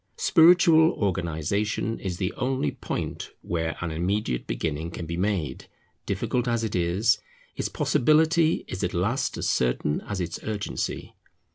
Spiritual organization is the only point where an immediate beginning can be made; difficult as it is, its possibility is at last as certain as its urgency.